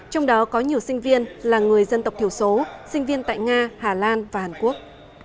trong đó có nhiều sinh viên là người dân tộc thiểu số sinh viên tại nga hà lan và hàn quốc